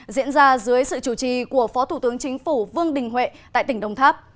diễn ra dưới sự chủ trì của phó thủ tướng chính phủ vương đình huệ tại tỉnh đồng tháp